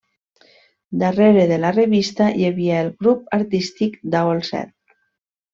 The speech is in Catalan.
Darrere de la revista hi havia el grup artístic Dau al Set.